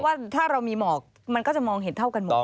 ว่าถ้าเรามีหมอกมันก็จะมองเห็นเท่ากันหมด